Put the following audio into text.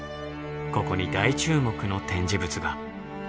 ここに大注目の展示物が。